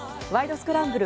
スクランブル」